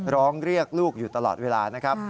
ร้องเรียกลูกอยู่ตลอดเวลานะครับ